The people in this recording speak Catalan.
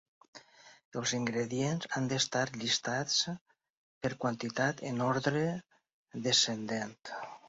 Els ingredients han d'estar llistats per quantitat en ordre descendent.